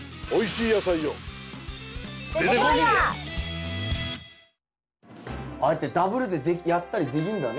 ええ。ああやってダブルでやったりできんだね。